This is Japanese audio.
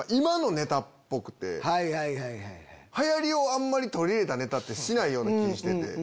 流行りを取り入れたネタってしないような気ぃしてて。